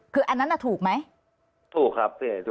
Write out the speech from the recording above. คืออันนั้นน่ะถูกไหมถูกครับ